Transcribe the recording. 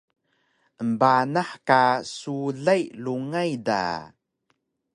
embanah ka sulay rungay da